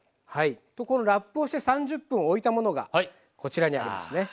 このラップをして３０分おいたものがこちらにありますね。